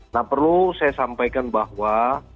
nah perlu saya sampaikan bahwa